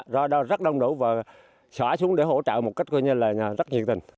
rồi đó rất đông đủ và xóa xuống để hỗ trợ một cách coi như là rất nhiệt tình